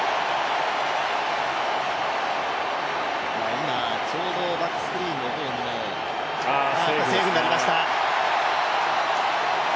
今、ちょうどバックスクリーンの方にも、セーフになりました。